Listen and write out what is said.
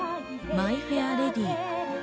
『マイ・フェア・レディ』。